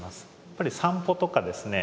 やっぱり散歩とかですね